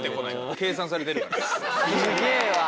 すげえわ。